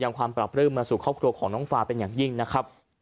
ความปราบปลื้มมาสู่ครอบครัวของน้องฟาเป็นอย่างยิ่งนะครับ